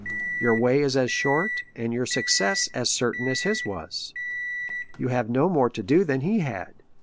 Your way is as short, and your success as certain, as his was. You have no more to do than he had.